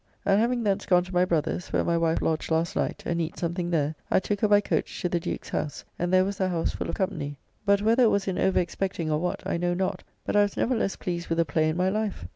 And having thence gone to my brother's, where my wife lodged last night, and eat something there, I took her by coach to the Duke's house, and there was the house full of company: but whether it was in over expecting or what, I know not, but I was never less pleased with a play in my life.